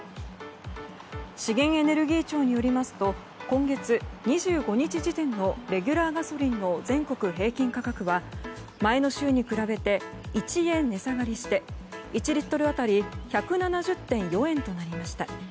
資源エネルギー庁によりますと今月２５日時点のレギュラーガソリンの全国平均価格は前の週に比べて１円値下がりして１リットル当たり１７０．４円となりました。